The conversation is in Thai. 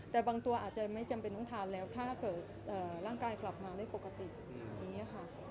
แต่บางตัวอาจจะไม่จำเป็นต้องทานแล้วถ้าเกิดร่างกายกลับมาได้ปกติอย่างนี้ค่ะ